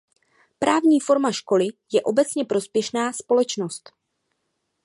Právní forma školy je obecně prospěšná společnost.